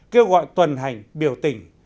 kêu gọi tuần hành biểu tình